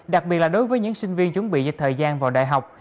đặc biệt là đối với những sinh viên chuẩn bị cho thời gian vào đại học